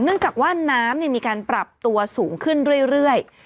เนื่องจากว่าน้ำมีการปรับตัวสูงขึ้นเรื่อย